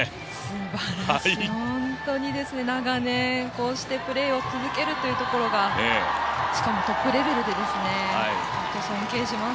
すばらしい、本当に長年こうしてプレーを続けるというところがしかもトップレベルでですね尊敬します。